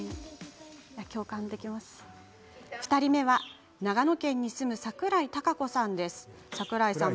２人目は長野県に住む、櫻井隆子さん。